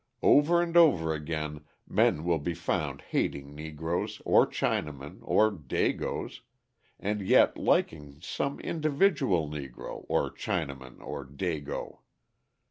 Over and over again men will be found hating Negroes, or Chinamen, or "dagoes," and yet liking some individual Negro, or Chinaman, or "dago."